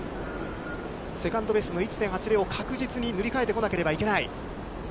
セカンドベストの１．８０を確実に塗り替えてこなければいけない。